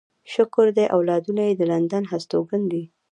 شکر دی اولادونه يې د لندن هستوګن دي.